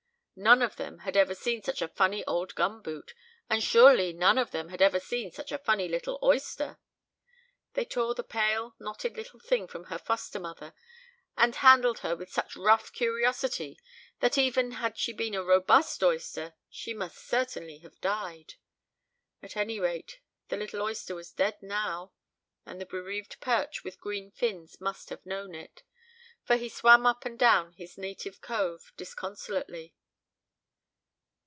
None of them had ever seen such a funny old gum boot, and surely none of them had ever seen such a funny little oyster. They tore the pale, knotted little thing from her foster mother, and handled her with such rough curiosity that even had she been a robust oyster she must certainly have died. At any rate, the little oyster was dead now; and the bereaved perch with green fins must have known it, for he swam up and down his native cove disconsolately.